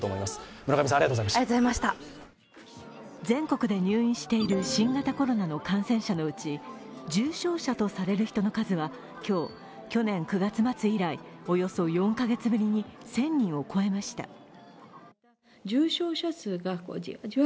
全国で入院している新型コロナの感染者のうち重症者とされる人の数は今日、去年９月末以来およそ４カ月ぶりに１０００人を超えました。